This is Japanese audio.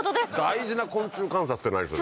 「大事な昆虫観察」って何それ。